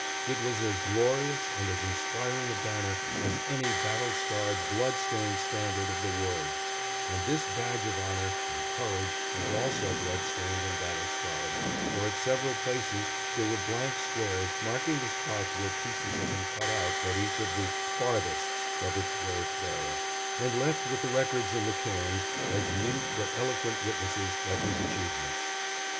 It was as glorious and as inspiring a banner as any battle scarred, blood stained standard of the world and this badge of honor and courage was also blood stained and battle scarred, for at several places there were blank squares marking the spots where pieces had been cut out at each of the "Farthests" of its brave bearer, and left with the records in the cairns, as mute but eloquent witnesses of his achievements.